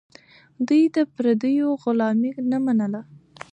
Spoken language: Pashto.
دوی د پردیو غلامي نه منله.